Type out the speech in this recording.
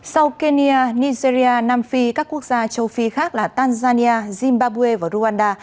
sau kenya nigeria nam phi các quốc gia châu phi khác là tanzania zimbabwe và rwanda